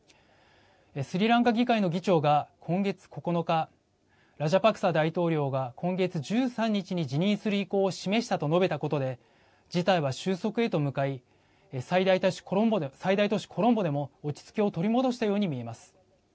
スリランカ議会の議長が今月９日ラジャパクサ大統領が今月１３日に辞任する意向を示したと述べたことで事態は収束へと向かい最大都市コロンボでも落ち着きを取り戻したように見えます。